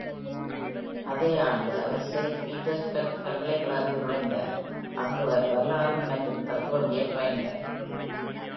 அதே ஆண்டு அவர் செயிண்ட் பீட்டர்ஸ்பர்க் பல்கலைக்கழகத்தில் நுழைந்தார், அங்கு அவர் வரலாறு மற்றும் தத்துவவியல் பயின்றார்.